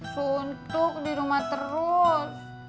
suntuk di rumah terus